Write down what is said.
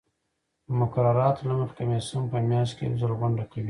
د مقرراتو له مخې کمیسیون په میاشت کې یو ځل غونډه کوي.